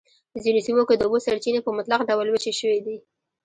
ځینو سیمو کې د اوبو سرچېنې په مطلق ډول وچې شوی دي.